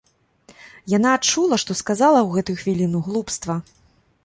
Яна адчула, што сказала ў гэтую хвіліну глупства.